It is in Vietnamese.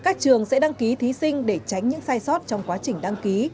các trường sẽ đăng ký thí sinh để tránh những sai sót trong quá trình đăng ký